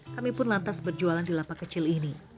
kami pun lantas berjualan di lapak kecil ini